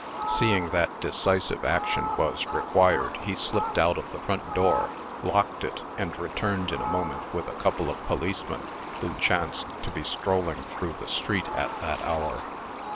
Seeing that decisive action was required, he slipped out of the front door, locked it, and returned in a moment with a couple of policemen, who chanced to be strolling through the street at that hour.